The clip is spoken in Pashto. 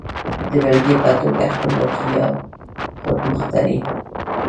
د بېلګې په توګه خپلواکي يا خودمختاري.